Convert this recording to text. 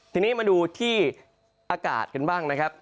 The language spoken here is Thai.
ทีนี้มาดูที่อากาศกันบ้างนะครับ